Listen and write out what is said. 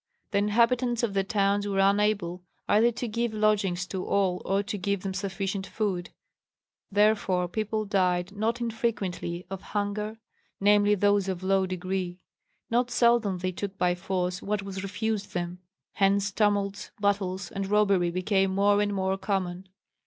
The inhabitants of the towns were unable either to give lodgings to all or to give them sufficient food; therefore people died not infrequently of hunger, namely, those of low degree. Not seldom they took by force what was refused them; hence tumults, battles, and robbery became more and more common.